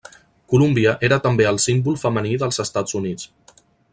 Columbia era també el símbol femení dels Estats Units.